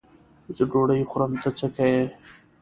زه ډوډۍ خورم؛ ته څه که یې.